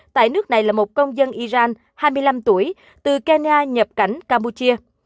tại nước này là một công dân iran hai mươi năm tuổi từ kenya nhập cảnh campuchia